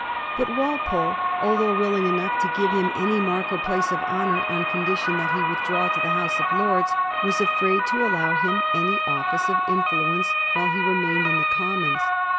But Walpole, although willing enough to give him any mark or place of honour on condition that he withdrew to the House of Lords, was afraid to allow him any office of. influence while he remained in the Commons.